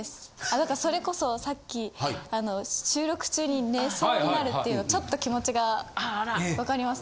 何かそれこそさっき収録中に寝そうになるっていうのちょっと気持ちが分かります。